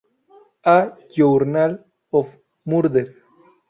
A journal of Murder".